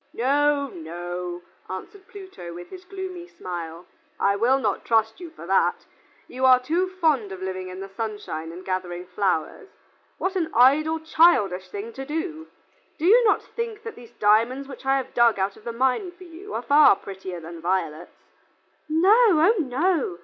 "No, no," answered Pluto, with his gloomy smile, "I will not trust you for that. You are too fond of living in the sunshine and gathering flowers. What an idle, childish thing to do! Do you not think that these diamonds which I have had dug out of the mine for you are far prettier than violets?" "No, oh no!